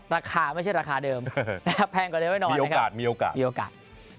ราคาไม่ใช่ราคาเดิมแพงกว่าเดิมให้นอนมีโอกาส